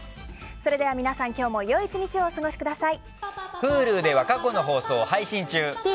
それでは皆さん、今日も良い１日をお過ごしください。